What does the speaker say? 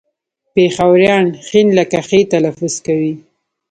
پېښوريان ښ لکه خ تلفظ کوي